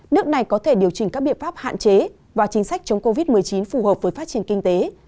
nước này có thể điều chỉnh các biện pháp hạn chế và chính sách chống covid một mươi chín phù hợp với phát triển kinh tế